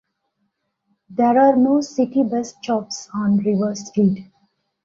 There are no city bus stops on River Street.